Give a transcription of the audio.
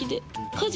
家事。